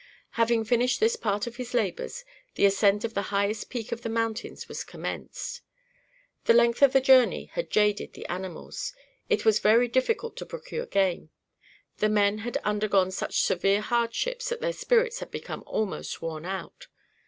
Having finished this part of his labors, the ascent of the highest peak of the mountains was commenced. The length of the journey had jaded the animals. It was very difficult to procure game. The men had undergone such severe hardships that their spirits had become almost worn out.